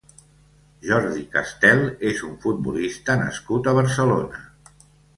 Jordi Castel és un futbolista nascut a Barcelona.